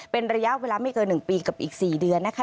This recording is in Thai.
เป็นระยะเวลาไม่เกิน๑ปีกับอีก๔เดือนนะคะ